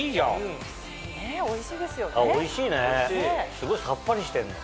すごいさっぱりしてんの。